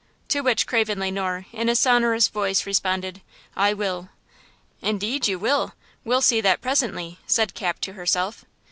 To which Craven Le Noir, in a sonorous voice responded: "I will." "Indeed you will? We'll see that presently!" said Cap to herself.